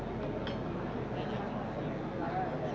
tujuan di dalam musim migrasi